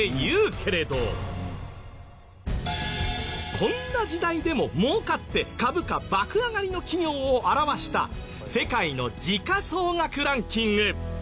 こんな時代でも儲かって株価爆上がりの企業を表した世界の時価総額ランキング。